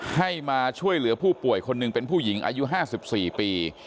ให้มาช่วยเหลือผู้ป่วยคนหนึ่งเป็นผู้หญิงอายุ๕๔ปี